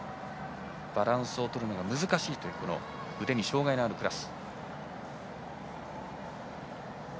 バランスを取るのが難しいという腕に障がいのあるクラス。